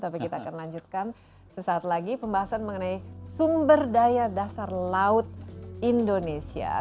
tapi kita akan lanjutkan sesaat lagi pembahasan mengenai sumber daya dasar laut indonesia